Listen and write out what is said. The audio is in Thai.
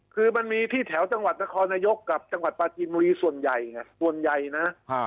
คือมันมีที่แถวจังหวัดนครนายกกับจังหวัดปลาจีนบุรีส่วนใหญ่ไงส่วนใหญ่นะ